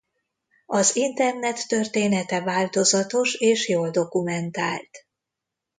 Az internet története változatos és jól dokumentált.